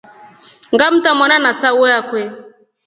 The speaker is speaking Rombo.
Ngamta mwana na sauyo akwe.